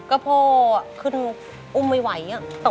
ก็พอขึ้นอุ้มไวอ่ะ